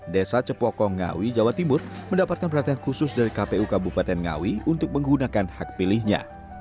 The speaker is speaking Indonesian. desa cepokong ngawi jawa timur mendapatkan perhatian khusus dari kpu kabupaten ngawi untuk menggunakan hak pilihnya